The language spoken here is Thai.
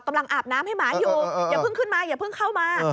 อาบน้ำให้หมาอยู่อย่าเพิ่งขึ้นมาอย่าเพิ่งเข้ามา